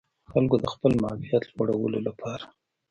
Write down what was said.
خلکو د خپل معافیت لوړولو لپاره